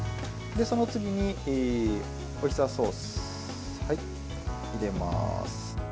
その次にオイスターソース入れます。